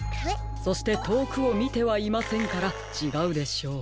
そしてとおくをみてはいませんからちがうでしょう。